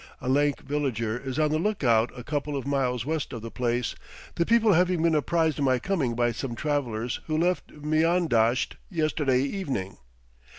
A lank villager is on the lookout a couple of miles west of the place, the people having been apprised of my coming by some travellers who left Miandasht yesterday evening.